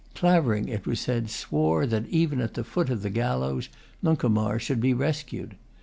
Clavering, it was said, swore that, even at the foot of the gallows, Nuncomar should be rescued.